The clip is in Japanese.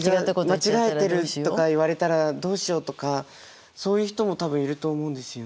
間違えてるとか言われたらどうしようとかそういう人も多分いると思うんですよね。